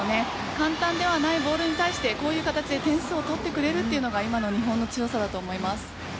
簡単ではないボールに対してこういう形で点数を取ってくれるというのが今の日本の強さだと思います。